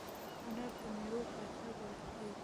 انار د میوو پاچا بلل کېږي.